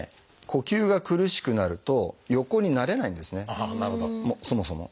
呼吸が苦しくなると横になれないんですねそもそも。